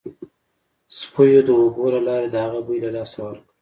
سپیو د اوبو له لارې د هغه بوی له لاسه ورکړ